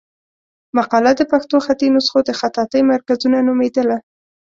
مقاله د پښتو خطي نسخو د خطاطۍ مرکزونه نومېدله.